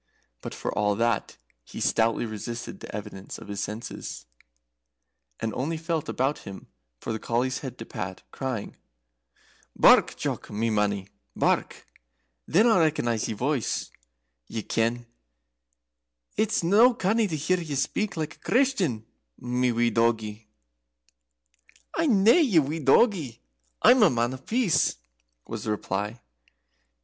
But, for all that, he stoutly resisted the evidence of his senses, and only felt about him for the collie's head to pat, crying: "Bark! Jock, my mannie, bark! Then I'll recognize your voice, ye ken. It's no canny to hear ye speak like a Christian, my wee doggie." "I'm nae your doggie, I'm a Man of Peace," was the reply.